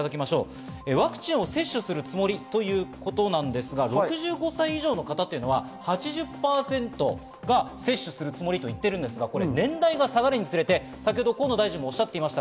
ワクチンを接種するつもりということなんですが６５歳上の方は８０％が接種するつもりと言っていますが、年代が下がるにつれて河野大臣もおっしゃいました。